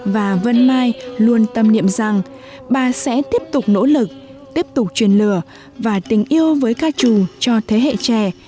và vân mai luôn tâm niệm rằng bà sẽ tiếp tục nỗ lực tiếp tục truyền lửa và tình yêu với ca trù cho thế hệ trẻ